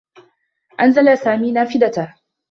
أنزل سامي نافذته.